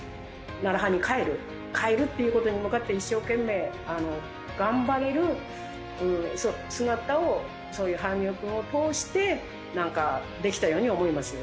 楢葉に帰る、帰るっていうことに向かって、一生懸命頑張れる姿を、そういう羽生君を通して、なんか、できたように思います。